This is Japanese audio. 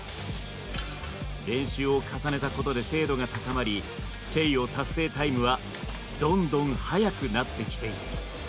練習を重ねたことで精度が高まりチェイヨー達成タイムはどんどんはやくなってきている。